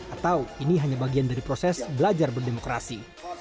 atau ini hanya bagian dari proses belajar berdemokrasi